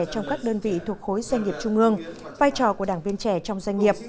trong các đơn vị thuộc khối doanh nghiệp trung ương vai trò của đảng viên trẻ trong doanh nghiệp